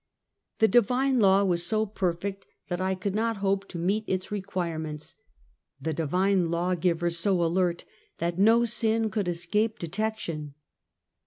The Divine Law was so perfect that I could not hope to meet its requirements — the Divine Law giver so alert that no sin could escape detection.